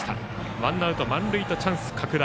ワンアウト、満塁とチャンス拡大。